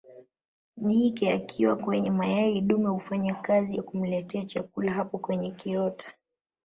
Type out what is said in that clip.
Jike akiwa kwenye mayai dume hufanya kazi ya kumletea chakula hapo kwenye kiota